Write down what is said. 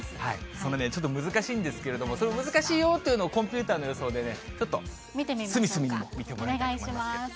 ちょっと難しいんですけど、その難しいよというのを、コンピューターの予想でね、ちょっと、すみすみにも見てもらいたいと思いますけれども。